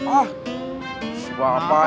ah si bapak